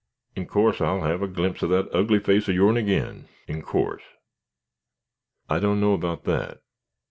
In course I'll have a glimpse of that ugly face of your'n agin. In course." "I don't know about that.